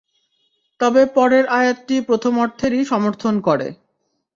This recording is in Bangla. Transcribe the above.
তবে পরের আয়াতটি প্রথম অর্থেরই সমর্থন করে।